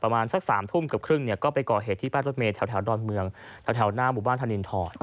หันไปถามว่ามือคุณทำอะไร